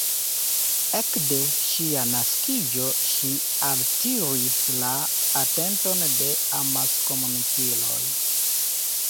Ekde ŝia naskiĝo ŝi altiris la atenton de amaskomunikiloj.